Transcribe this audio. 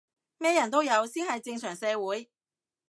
咩人都有先係正常社會